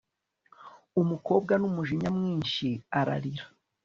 umukobwa n'umujinya mwinshi ararira